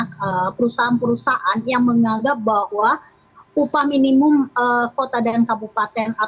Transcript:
ada perusahaan perusahaan yang menganggap bahwa upah minimum kota dan kabupaten